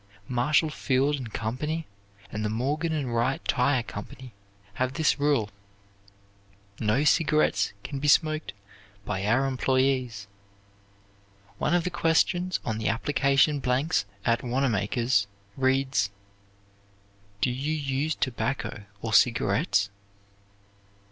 Marshall Field and Company, and the Morgan and Wright Tire Company have this rule: "No cigarettes can be smoked by our employees." One of the questions on the application blanks at Wanamaker's reads: "Do you use tobacco or cigarettes?"